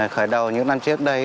khởi đầu những năm trước đây